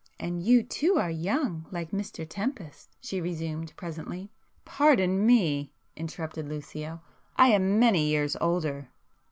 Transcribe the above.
"And you too are young, like Mr Tempest,"—she resumed presently. "Pardon me!" interrupted Lucio—"I am many years older."